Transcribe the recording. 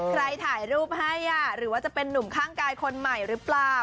ถ่ายรูปให้หรือว่าจะเป็นนุ่มข้างกายคนใหม่หรือเปล่า